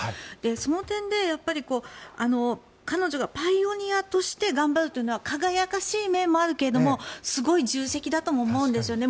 その点で彼女がパイオニアとして頑張るというのは輝かしい面もあるけどもすごい重責だとも思うんですね。